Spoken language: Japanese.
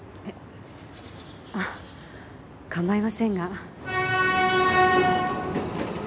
えっああ構いませんが。